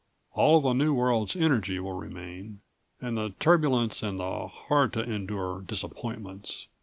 All of a new world's energy will remain, and the turbulence and the hard to endure disappointments.